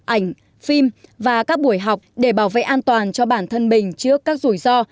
ảnh phim và các buổi học để bảo vệ an toàn cho bản thân mình trước các rủi ro